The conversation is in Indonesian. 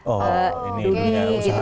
oh ini dudi